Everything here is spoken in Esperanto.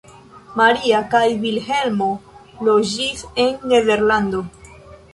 Maria kaj Vilhelmo loĝis en Nederlando.